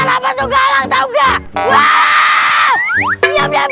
lapan juga langsung nggak wah siap siap